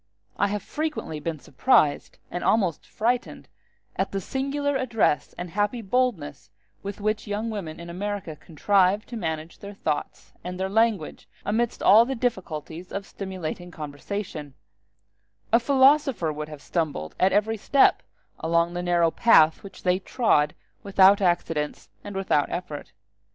I have been frequently surprised, and almost frightened, at the singular address and happy boldness with which young women in America contrive to manage their thoughts and their language amidst all the difficulties of stimulating conversation; a philosopher would have stumbled at every step along the narrow path which they trod without accidents and without effort.